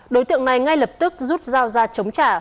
đối tượng này ngay lập tức rút dao ra chống trả